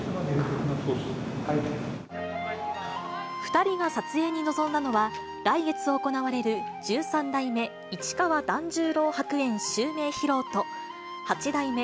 ２人が撮影に臨んだのは、来月行われる十三代目市川團十郎白猿襲名披露と、八代目